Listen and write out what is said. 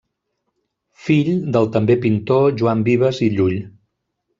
Fill del també pintor Joan Vives i Llull.